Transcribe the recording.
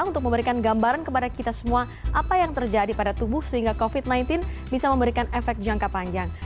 untuk memberikan gambaran kepada kita semua apa yang terjadi pada tubuh sehingga covid sembilan belas bisa memberikan efek jangka panjang